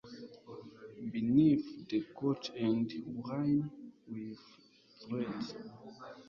beneath the couch and whine with dread ...